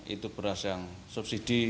itu beras yang subsidi